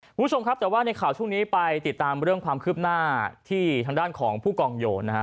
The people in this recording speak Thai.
คุณผู้ชมครับแต่ว่าในข่าวช่วงนี้ไปติดตามเรื่องความคืบหน้าที่ทางด้านของผู้กองโยนนะฮะ